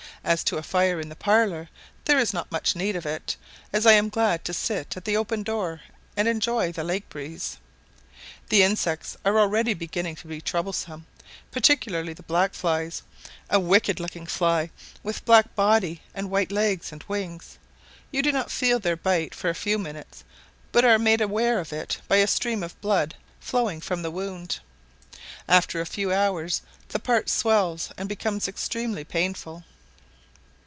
As to a fire in the parlour there is not much need of it, as I am glad to sit at the open door and enjoy the lake breeze. The insects are already beginning to be troublesome, particularly the black flies a wicked looking fly, with black body and white legs and wings; you do not feel their bite for a few minutes, but are made aware of it by a stream of blood flowing from the wound; after a few hours the part swells and becomes extremely painful.